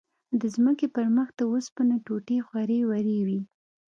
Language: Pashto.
د ځمکې پر مخ د اوسپنو ټوټې خورې ورې وې.